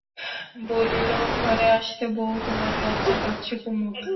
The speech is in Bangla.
বলিল, ঘরে আসতে বৌ তোমার লজ্জা পাচ্ছে কুমুদ।